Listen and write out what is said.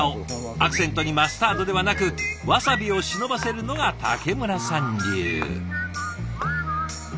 アクセントにマスタードではなくわさびを忍ばせるのが竹村さん流。